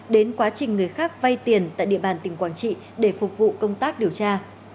đến quá trình người khác vay tiền tại địa bàn tỉnh quảng trị để phục vụ công tác điều tra